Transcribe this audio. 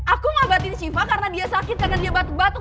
aku ngobatin siva karena dia sakit karena dia batuk batuk